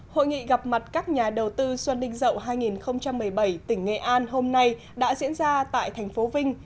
hội nghị gặp mặt các nhà đầu tư xuân đinh dậu hai nghìn một mươi bảy tỉnh nghệ an hôm nay đã diễn ra tại thành phố vinh